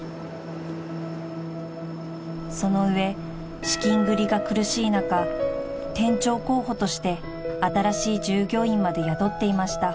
［その上資金繰りが苦しい中店長候補として新しい従業員まで雇っていました］